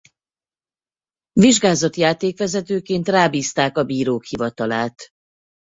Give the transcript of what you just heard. Vizsgázott játékvezetőként rá bízták a bírók hivatalát.